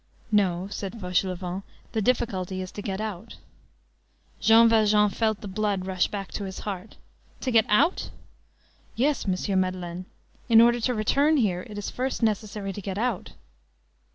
"No," said Fauchelevent, "the difficulty is to get out." Jean Valjean felt the blood rush back to his heart. "To get out!" "Yes, Monsieur Madeleine. In order to return here it is first necessary to get out."